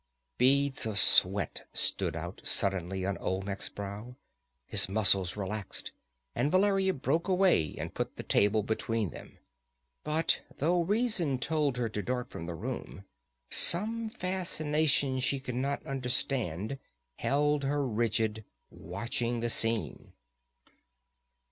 Beads of sweat stood out suddenly on Olmec's brow. His muscles relaxed, and Valeria broke away and put the table between them. But though reason told her to dart from the room, some fascination she could not understand held her rigid, watching the scene.